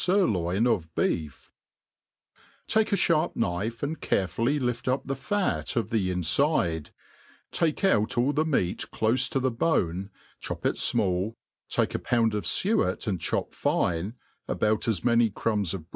Sirloin of Bief TAKE a fharp knife,, and carefully lift up the fat of the in fide, take out all the meat clofe to the bone,, chop it fmall, take a pound of fciet and chop fine, about as many crumbs of.